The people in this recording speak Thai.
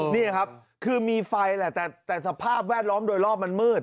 นี่ครับคือมีไฟแหละแต่สภาพแวดล้อมโดยรอบมันมืด